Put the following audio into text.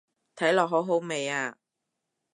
睇落好好味啊